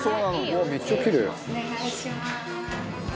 お願いします。